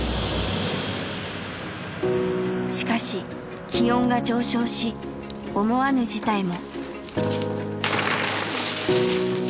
しかし気温が上昇し思わぬ事態も。